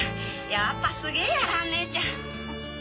やっぱすげぇや蘭ねえちゃん！